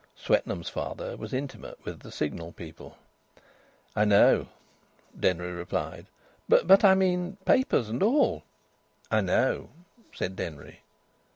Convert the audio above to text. (Swetnam's father was intimate with the Signal people.) "I know," Denry replied. "But I mean papers and all." "I know," said Denry.